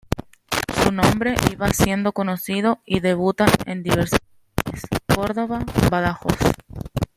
Su nombre iba siendo conocido y debuta en diversas ciudades: Córdoba, Badajoz...